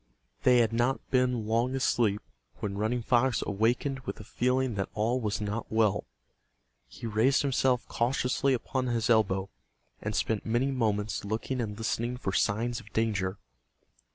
They had not been long asleep when Running Fox awakened with a feeling that all was not well. He raised himself cautiously upon his elbow, and spent many moments looking and listening for signs of danger.